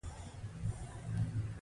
موږ خپله او ټول انسانان یو ځای کوو.